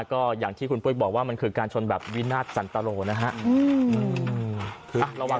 ก็อย่างที่คุณปุ้ยบอกว่ามันคือการชนแบบวินาทสันตโลนะฮะ